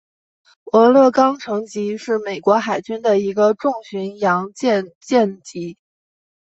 俄勒冈城级是美国海军的一个重巡洋舰舰级。